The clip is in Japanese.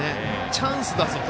チャンスだぞ！と。